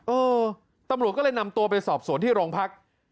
เออตำรวจก็เลยนำตัวไปสอบสวนที่โรงพัก